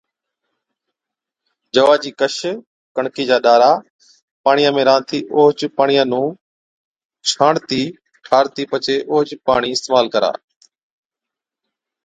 جَوا چِي ڪش، ڪڻڪِي چا ڏارا پاڻِيان ۾ رانڌتِي اوهچ پاڻِيان نُون ڇاڻتِي ٺارتِي پڇي اُونهچ پاڻِي اِستعمال ڪرا۔